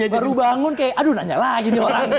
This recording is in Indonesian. baru bangun kayak aduh nanya lah gini orang